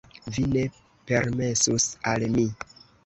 vi ne permesus al mi.